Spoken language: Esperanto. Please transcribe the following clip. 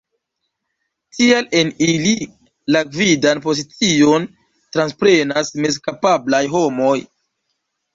Tial en ili la gvidan pozicion transprenas mezkapablaj homoj.